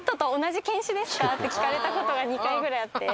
って聞かれたことが２回ぐらいあって。